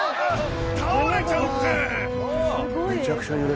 倒れちゃうって！